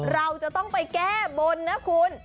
เราจะต้องไปแก้บนนะคุณ